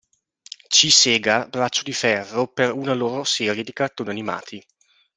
C. Segar Braccio di Ferro per una loro serie di cartoni animati.